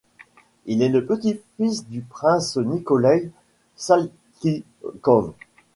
Il est le petit-fils du prince Nikolaï Saltykov.